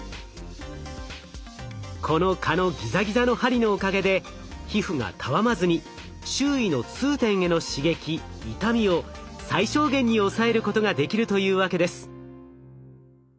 この蚊のギザギザの針のおかげで皮膚がたわまずに周囲の痛点への刺激痛みを最小限に抑えることができるというわけです。